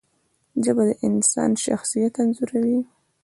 ژبه د انسان شخصیت انځوروي